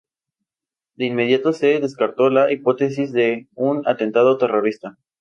De inmediato se descartó la hipótesis de un atentado terrorista.